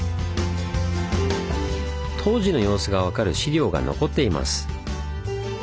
当時の様子が分かる資料が残っています。